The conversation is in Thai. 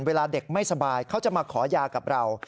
เวลาเด็กไม่สบายเขาจะมาขอยากับเรา